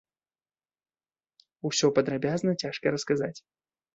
Усё падрабязна цяжка расказаць.